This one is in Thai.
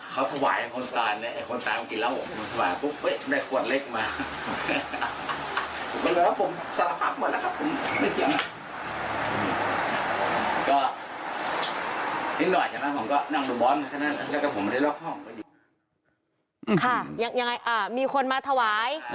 ยังไงมีคนมาถวาย